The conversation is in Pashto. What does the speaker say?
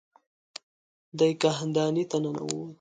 دی کاهدانې ته ننوت.